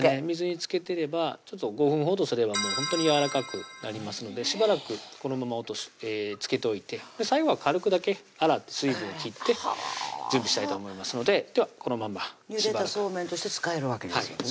水につけてれば５分ほどすればほんとにやわらかくなりますのでしばらくこのままつけておいて最後は軽くだけ洗って水分を切って準備したいと思いますのでではこのまましばらくゆでたそうめんとして使えるわけです